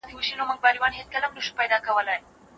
زه به اوږده موده ښوونځي ته تللی وم.